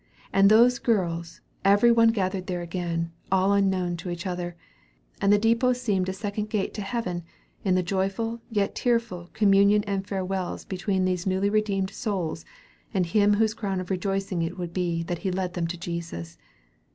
And those girls every one gathered there again, all unknown to each other; and the depot seemed a second gate to heaven, in the joyful, yet tearful, communion and farewells between these newly redeemed souls and him whose crown of rejoicing it will be that he led them to Jesus.